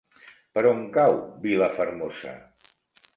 Per on cau Vilafermosa?